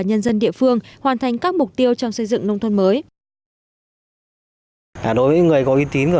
nhân dân địa phương hoàn thành các mục tiêu trong xây dựng nông thôn mới đối với người có uy tín của